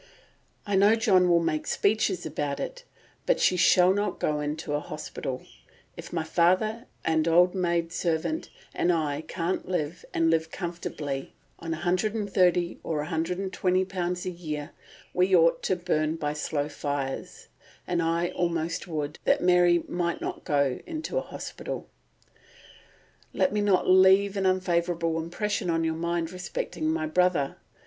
"I know John will make speeches about it, but she shall not go into an hospital.... If my father, and old maid servant, and I, can't live, and live comfortably, on £130 or £120 a year, we ought to burn by slow fires; and I almost would, that Mary might not go into an hospital. Let me not leave an unfavourable impression on your mind respecting my brother.